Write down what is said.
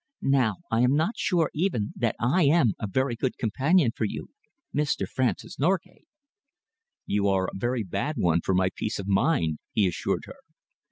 Now I am not sure, even, that I am, a very good companion for you, Mr. Francis Norgate." "You are a very bad one for my peace of mind," he assured her.